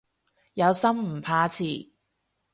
有心唔怕遲